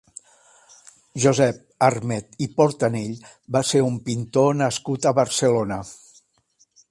Josep Armet i Portanell va ser un pintor nascut a Barcelona.